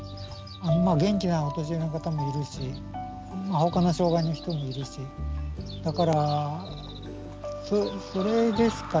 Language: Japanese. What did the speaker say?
元気なお年寄りの方もいるしほかの障害の人もいるしだからそれですかね。